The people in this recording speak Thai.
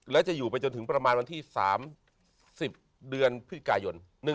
และจะอยู่ไปจนถึงประมาณวันที่๓๐เดือนพฤกายน